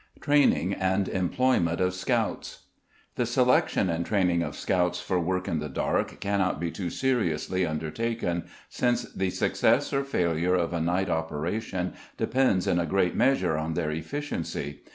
Training and Employment of Scouts. The selection and training of Scouts for work in the dark cannot be too seriously undertaken, since the success or failure of a night operation depends in a great measure on their efficiency.